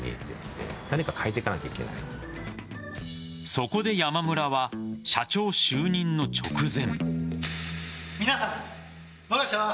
そこで、山村は社長就任の直前。